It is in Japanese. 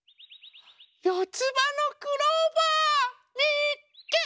よつばのクローバー！みっけ！